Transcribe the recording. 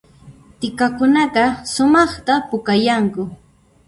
T'ikakunaqa sumaqta pukayanku